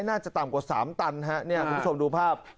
น่าจะต่ำกว่าสามตันนะครับเนี่ยประสบผมดูภาพ